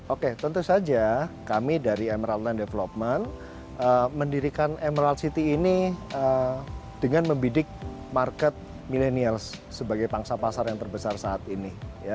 oke tentu saja kami dari emerald land development mendirikan emerald city ini dengan membidik market milenials sebagai bangsa pasar yang terbesar saat ini